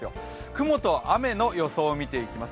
雲と雨の予想を見ていきます。